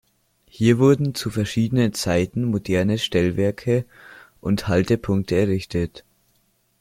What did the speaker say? Hier wurden zu verschiedenen Zeiten moderne Stellwerke und Haltepunkte errichtet.